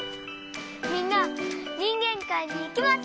みんなにんげんかいにいけますね！